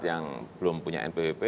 yang belum punya npwp